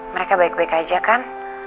mereka baik baik aja kan